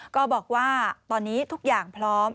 ก็บอกว่าตอนนี้ทุกอย่างพร้อม